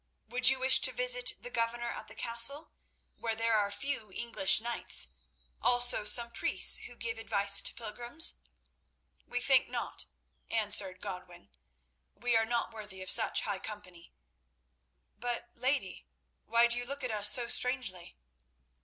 "Would you wish to visit the governor at the castle, where there are a few English knights, also some priests who give advice to pilgrims?" "We think not," answered Godwin; "we are not worthy of such high company. But, lady, why do you look at us so strangely?"